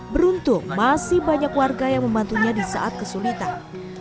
beruntung masih banyak warga yang membantunya di saat kesulitan